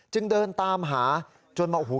จึงเดินตามหาจนมาโอ้โห